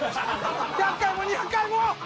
１００回も２００回も！！